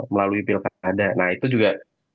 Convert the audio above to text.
melalui pilkada nah itu juga